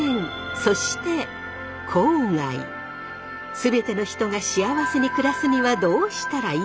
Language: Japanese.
全ての人が幸せに暮らすにはどうしたらいいか？